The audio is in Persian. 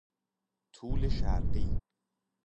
طول شرقی